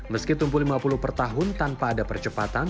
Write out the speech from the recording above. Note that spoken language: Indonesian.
meski tumbuh lima puluh per tahun tanpa ada percepatan